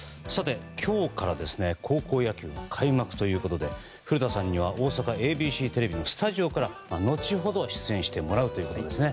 今日から高校野球が開幕ということで古田さんには大阪ＡＢＣテレビのスタジオから後ほど出演してもらうということですね。